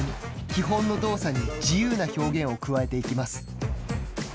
基本の動作に自由な表現を加えていきます。